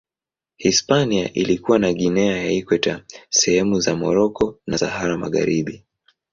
Hispania ilikuwa na Guinea ya Ikweta, sehemu za Moroko na Sahara Magharibi.